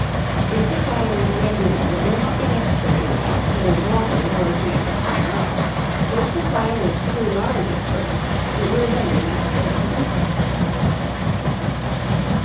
If the fire is regular, it will not be necessary to add cold water in order to make the scum rise; but if the fire is too large at first, it will then be necessary to do so.